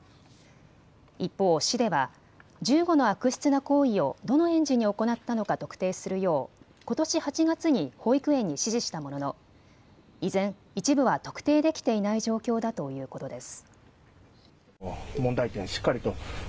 一方、市では１５の悪質な行為をどの園児に行ったのか特定するよう、ことし８月に保育園に指示したものの依然、一部は特定できていない状況だということです。